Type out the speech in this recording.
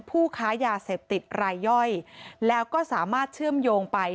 ผู้ค้ายาเสพติดรายย่อยแล้วก็สามารถเชื่อมโยงไป